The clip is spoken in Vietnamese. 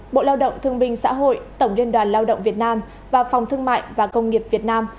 bộ lao động thương binh xã hội tổng liên đoàn lao động việt nam và phòng thương mại và công nghiệp việt nam